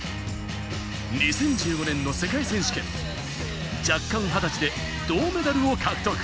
２０１５年の世界選手権、弱冠２０歳で銅メダルを獲得。